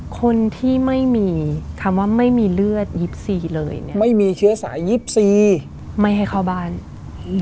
คนที่ไม่มีคำว่าไม่มีเลือดยี่สิบสี่เลยเนี้ยไม่มีเชื้อสายยี่สิบสี่ไม่ให้เข้าบ้านอืม